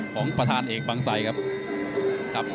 ของประธานเอกบางไซครับ